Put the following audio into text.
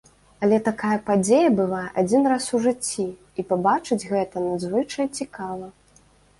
Але такая падзея бывае адзін раз у жыцці, і пабачыць гэта надзвычай цікава.